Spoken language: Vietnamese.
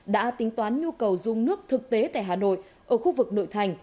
đã tính toán nhu cầu dùng nước thực tế tại hà nội ở khu vực nội thành